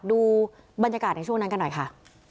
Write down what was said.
ดูบรรยากาศในช่วงนั้นกันหน่อยค่ะ